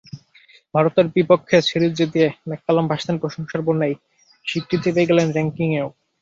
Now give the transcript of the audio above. ভারতের বিপক্ষে সিরিজ জিতিয়ে ম্যাককালাম ভাসছেন প্রশংসার বন্যায়, স্বীকৃতি পেয়ে গেলেন র্যাঙ্কিংয়েও।